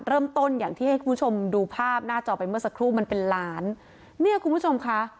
เริ่มต้นอย่างที่ให้คุณผู้ชมดูภาพหน้าจอไปเมื่อสักครู่มันเป็นล้านเนี่ยคุณผู้ชมค่ะ